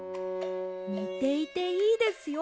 ねていていいですよ。